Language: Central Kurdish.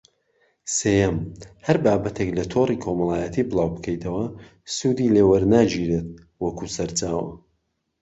سێیەم: هەر بابەتێک لە تۆڕی کۆمەڵایەتی بڵاوبکەیتەوە، سوودی لێ وەرناگیرێت وەکو سەرچاوە